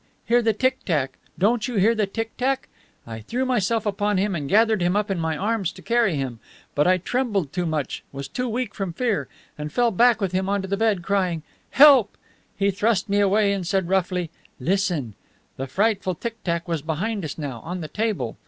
Hear the tick tack. Don't you hear the tick tack?' I threw myself upon him and gathered him up in my arms to carry him, but I trembled too much, was too weak from fear, and fell back with him onto the bed, crying, 'Help!' He thrust me away and said roughly, 'Listen.' The frightful tick tack was behind us now, on the table.